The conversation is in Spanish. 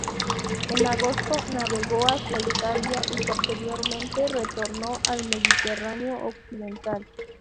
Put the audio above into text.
En agosto, navegó hasta Italia, y posteriormente, retornó al mediterráneo occidental.